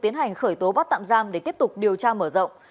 tiến hành khởi tố bắt tạm giam để tiếp tục điều tra mở rộng